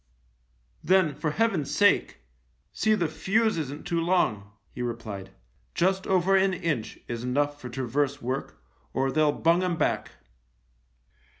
" Then, for Heaven's sake, see the fuse isn't too long," he replied. " Just over an inch is enough for traverse work, or they'll bung 'em back."